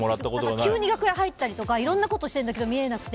急に楽屋入ったりとかいろんなことしているんですけど見えなくて。